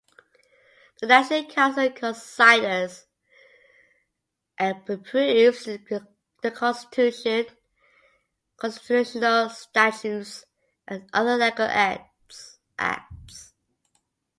The National Council considers and approves the Constitution, constitutional statutes and other legal acts.